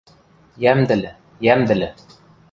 – Йӓмдӹлӹ, йӓмдӹлӹ.